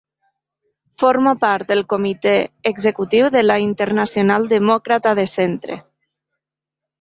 Forma part del Comitè Executiu de la Internacional Demòcrata de Centre.